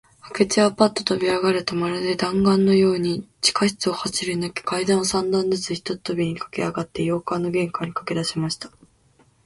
明智はパッととびあがると、まるで弾丸だんがんのように、地下室を走りぬけ、階段を三段ずつ一とびにかけあがって、洋館の玄関にかけだしました。